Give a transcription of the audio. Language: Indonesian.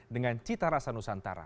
dengan cita rasa nusantara